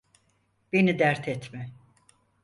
Beni dert etme.